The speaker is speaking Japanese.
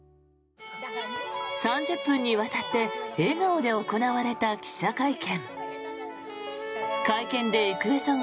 ３０分にわたって笑顔で行われた記者会見。